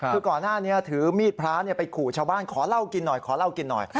คือก่อนหน้านี้ถือมีดพระไปขู่ชาวบ้านขอเหล้ากินหน่อยขอเหล้ากินหน่อย